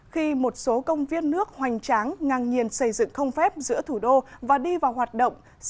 khi một số công viên nước hoành tráng ngang nhiên xây dựng không phép giữa thủ đô và đi vào hoạt động